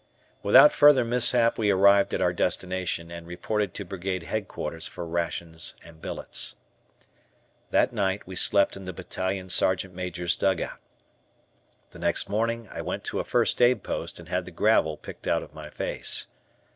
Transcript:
Without further mishap we arrived at our destination, and reported to Brigade Headquarters for rations and billets. That night we slept in the Battalion Sergeant Major's dugout. The next morning I went to a first aid post and had the gravel picked out of my face.